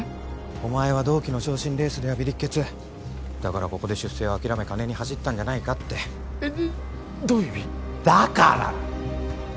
お前は同期の昇進レースではビリっけつだからここで出世を諦め金に走ったんじゃないかってどどういう意味？だから！